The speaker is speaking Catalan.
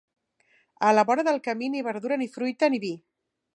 A la vora del camí, ni verdura, ni fruita, ni vi.